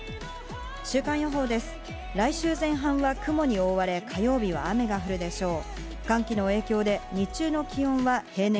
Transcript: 週間予報です、来週前半は雲に覆われ、火曜日は雨が降るでしょう。